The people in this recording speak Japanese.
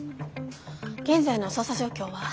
現在の捜査状況は？